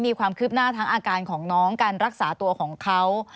มีความคืบหน้าทั้งอาการของน้องการรักษาตัวของเขา